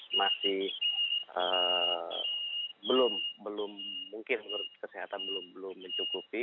jumlah kasus masih belum mungkin menurut kesehatan belum mencukupi